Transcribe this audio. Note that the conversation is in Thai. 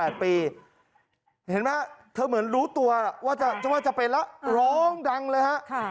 เห็นไหมเธอเหมือนรู้ตัวว่าจะว่าจะเป็นแล้วร้องดังเลยฮะ